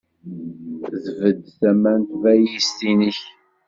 Bded tama n tbalizt-nnek.